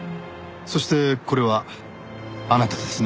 そしてこれはあなたですね？